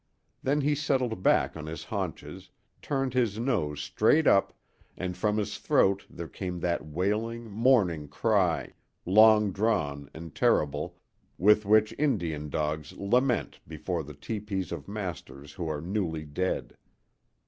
Then he settled back on his haunches, turned his nose straight up, and from his throat there came that wailing, mourning cry, long drawn and terrible, with which Indian dogs lament before the tepees of masters who are newly dead.